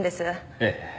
ええ。